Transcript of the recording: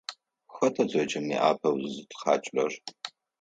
Хэта зэкӏэм апэу зызытхьакӏырэр?